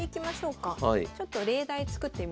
ちょっと例題作ってみますね。